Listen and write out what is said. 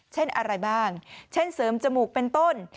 เช่นอะไรบ้างเช่นเสริมจมูกเป็นต้น